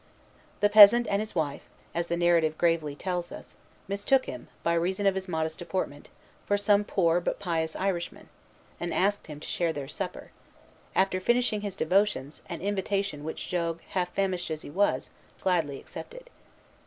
The peasant and his wife, as the narrative gravely tells us, mistook him, by reason of his modest deportment, for some poor, but pious Irishman, and asked him to share their supper, after finishing his devotions, an invitation which Jogues, half famished as he was, gladly accepted.